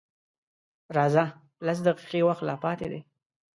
_راځه! لس دقيقې وخت لا پاتې دی.